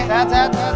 sehat sehat sehat